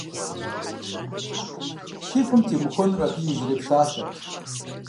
Си гум темыхуэнур абы и иужьрей псалъэрт.